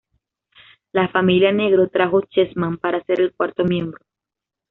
La familia Negro trajo Chessman para ser el cuarto miembro.